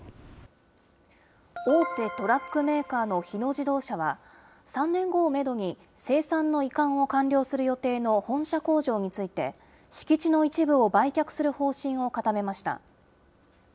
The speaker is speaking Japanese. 大手トラックメーカーの日野自動車は、３年後をメドに生産の移管を完了する予定の本社工場について、敷地の一部を売却する方針を固めました。